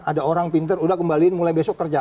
ada orang pinter udah kembaliin mulai besok kerja